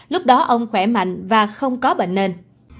lúc đó ông khỏe mạnh và không có bệnh nền